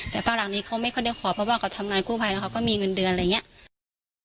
แต่บ้านหลังนี้เขาไม่ค่อยได้ขอเพราะว่าเขาทำงานกู้ภัยแล้วเขาก็มีเงินเดือนอะไรอย่างนี้